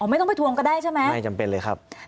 ไม่ต้องไปทวงก็ได้ใช่ไหมไม่จำเป็นเลยครับ